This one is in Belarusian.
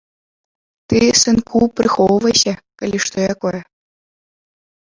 Ты, сынку, прыхоўвайся, калі што якое.